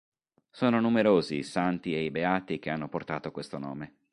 Sono numerosi i santi e i beati che hanno portato questo nome.